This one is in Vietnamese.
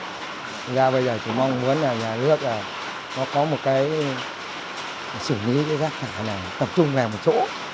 thật ra bây giờ tôi mong muốn nhà nước có một cái xử lý rác thải này tập trung vào một chỗ